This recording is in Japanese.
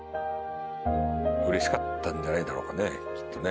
嬉しかったんじゃないだろうかねきっとね。